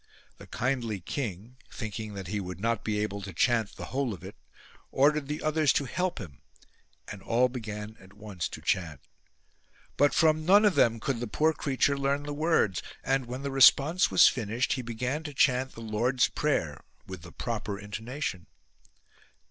The kindly king thinking that he would not be able to chant the whole of it ordered the others to help him and all began at once to chant. But from none of them could the poor creature learn the words, and, when the response was finished, he began to chant the Lord's Prayer with the proper intonation.